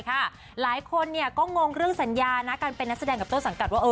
หลายคนก็งงเรื่องสัญญานะการเป็นนักแสดงกับต้นสังกัดว่า